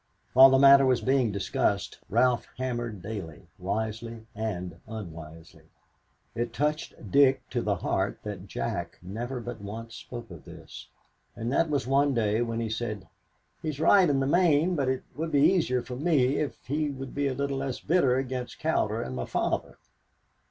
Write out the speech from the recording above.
While the matter was being discussed, Ralph hammered daily, wisely and unwisely. It touched Dick to the heart that Jack never but once spoke of this, and that was one day when he said, "He is right in the main, but it would be easier for me if he would be a little less bitter against Cowder and my father."